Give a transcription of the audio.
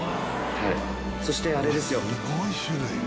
そしてあれですよ。